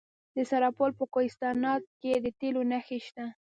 د سرپل په کوهستانات کې د تیلو نښې شته.